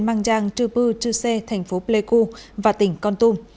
mang giang trư bư trư xe tp pleco và tỉnh con tum